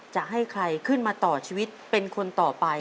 จะให้ใครขึ้นมาต่อชีวิตเป็นคนต่อไป